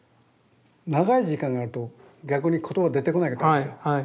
長い時間やると逆に言葉出てこなかったんですよ。